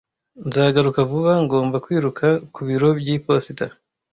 Nzagaruka vuba. Ngomba kwiruka ku biro by'iposita.